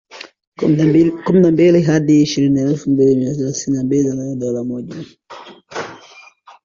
kumi na mbili hadi shilingi elfu mbili mia sita tisini na mbili za Tanzania dola moja